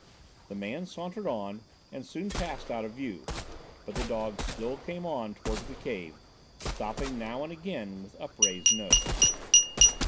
The man sauntered on and soon passed out of view; but the dog still came on towards the cave, stopping now and again with upraised nose.